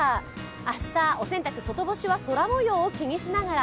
明日、お洗濯、外干しは空もようを気にしながら。